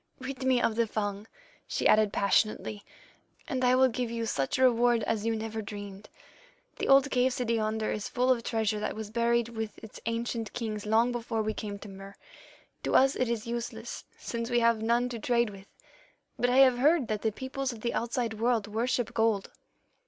"'Rid me of the Fung,' she added passionately, 'and I will give you such a reward as you never dreamed. The old cave city yonder is full of treasure that was buried with its ancient kings long before we came to Mur. To us it is useless, since we have none to trade with, but I have heard that the peoples of the outside world worship gold.